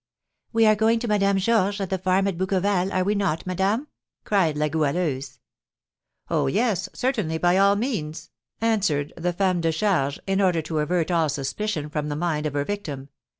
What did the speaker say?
"We are going to Madame Georges at the farm at Bouqueval, are we not, madame?" cried La Goualeuse. "Oh, yes, certainly, by all means!" answered the femme de charge, in order to avert all suspicion from the mind of her victim.